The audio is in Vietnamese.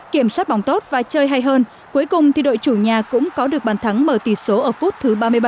kiểm soát bóng tốt và chơi hay hơn cuối cùng thì đội chủ nhà cũng có được bàn thắng mở tỷ số ở phút thứ ba mươi bảy